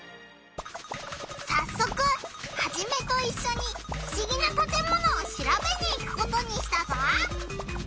さっそくハジメといっしょにふしぎなたてものをしらべに行くことにしたぞ！